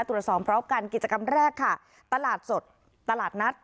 ตรวจสอบพร้อมกันกิจกรรมแรกค่ะตลาดสดตลาดนัด